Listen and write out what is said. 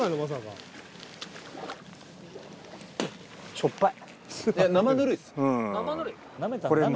しょっぱい。